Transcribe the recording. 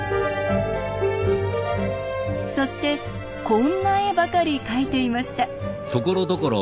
そしてこんな絵ばかり描いていました。